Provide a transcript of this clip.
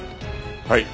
はい。